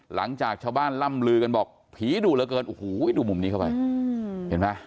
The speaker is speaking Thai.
หลังจากชาวบ้านล่ำลือกันบอกผีดุเหลือเกินโอ้โหดูมุมนี้เข้าไปเห็นไหม